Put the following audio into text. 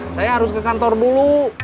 saya harus ke kantor dulu